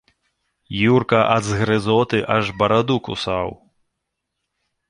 Юрка ад згрызоты аж бараду кусаў.